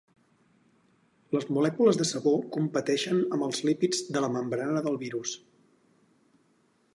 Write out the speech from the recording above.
Les molècules de sabó ‘competeixen’ amb els lípids de la membrana del virus.